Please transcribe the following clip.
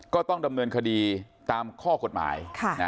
ก็ต้องดำเนินคดีตามข้อกฎหมาย